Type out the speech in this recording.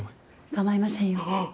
構いませんよ。